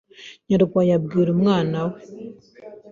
Nyarwaya abwira umwana we